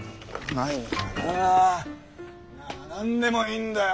なあ何でもいいんだよ。